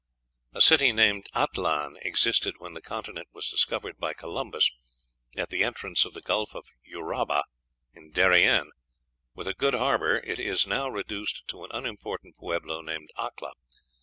A city named Atlan existed when the continent was discovered by Columbus, at the entrance of the Gulf of Uraba, in Darien. With a good harbor, it is now reduced to an unimportant pueblo named Acla."